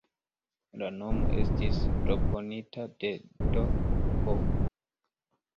La nomo estis proponita de "D.-h.